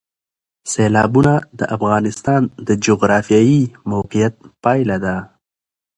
سیلابونه د افغانستان د جغرافیایي موقیعت پایله ده.